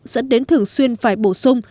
dẫn đến thường xuyên phải bổ sung